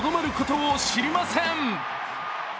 とどまることを知りません。